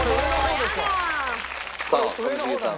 さあ一茂さん。